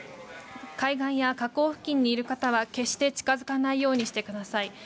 海岸や河口付近にいる方は決して近づかないようにしてください。